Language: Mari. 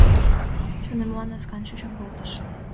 Чонемлан ласкан чучын колтыш!